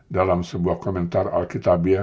dalam sebuah komentar alkitab ya